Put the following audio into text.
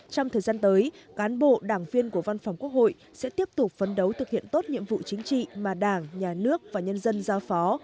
trong thời gian tới cán bộ đảng viên của văn phòng quốc hội sẽ tiếp tục phấn đấu thực hiện tốt nhiệm vụ chính trị mà đảng nhà nước và nhân dân giao phó